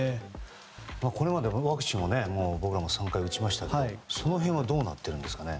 これまでワクチンを３回打ちましたがその辺はどうなっているんですかね。